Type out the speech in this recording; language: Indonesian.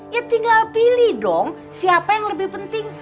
ya tinggal pilih dong siapa yang lebih penting